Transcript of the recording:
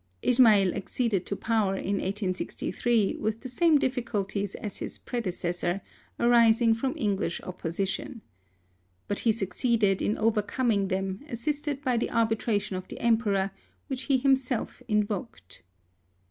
'' Ismail acceded to power in 1863 with the same diflBculties as his predecessor, arising from English opposition. But he succeed ed in overcoming them assisted by the arbi tration of the Emperor, which he himself invoked.